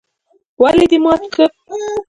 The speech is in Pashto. ولې دي مات که؟؟